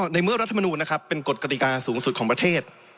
ในเมื่อว่ารัฐมนูญเป็นกฎกติกาสูงสุดของประเทศ